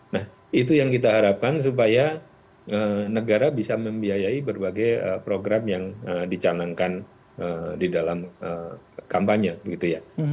nah itu yang kita harapkan supaya negara bisa membiayai berbagai program yang dicanangkan di dalam kampanye begitu ya